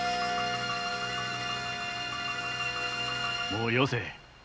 もうよせ。